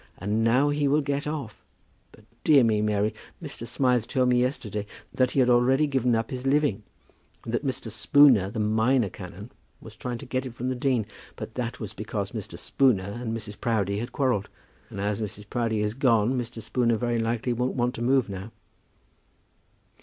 And now he will get off. But dear me, Mary, Mr. Smithe told me yesterday that he had already given up his living, and that Mr. Spooner, the minor canon, was trying to get it from the dean. But that was because Mr. Spooner and Mrs. Proudie had quarrelled; and as Mrs. Proudie is gone, Mr. Spooner very likely won't want to move now."